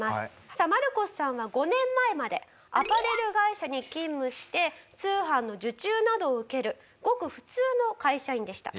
さあマルコスさんは５年前までアパレル会社に勤務して通販の受注などを受けるごく普通の会社員でした。